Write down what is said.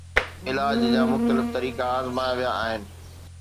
علاج جا مختلف طريقا آزمايا ويا آهن